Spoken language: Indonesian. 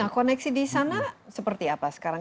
nah koneksi di sana seperti apa sekarang